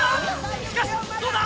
しかしどうだ？